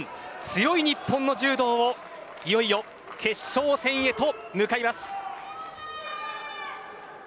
強い日本の柔道をいよいよ決勝戦へと向かいます。